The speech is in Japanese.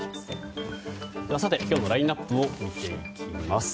今日のラインアップを見ていきます。